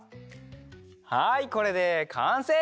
はいこれでかんせい！